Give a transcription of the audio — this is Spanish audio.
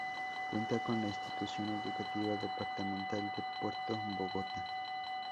Cuenta con la Institución Educativa Departamental de Puerto Bogotá.